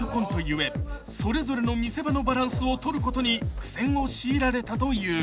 故それぞれの見せ場のバランスを取ることに苦戦を強いられたという］